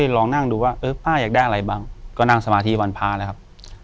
ลองนั่งดูว่าเออป้าอยากได้อะไรบ้างก็นั่งสมาธิวันพระแล้วครับ